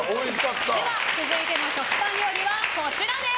続いての食パン料理はこちらです。